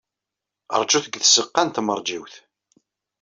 Ṛjut deg tzeɣɣa n tmeṛjiwt.